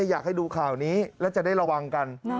อยากให้ดูข่าวนี้แล้วจะได้ระวังกัน